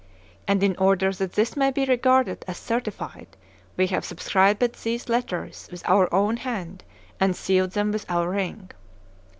And in order that this may be regarded as certified, we have subscribed these letters with our own hand and sealed them with our ring.